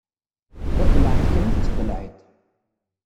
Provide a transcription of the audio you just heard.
D abelεeṭ kan i tettbelεiṭ.